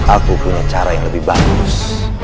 aku punya cara yang lebih bagus